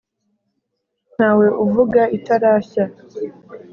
ntawe uvuga itarashya